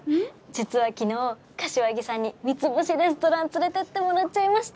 実は昨日柏木さんに三ツ星レストラン連れてってもらっちゃいました！